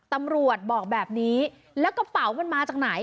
ตำรวจบอกแบบนี้แล้วกระเป๋ามันมาจากไหน